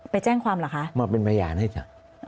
ไปแจ้งความเหรอคะมาเป็นพยานให้จ้ะ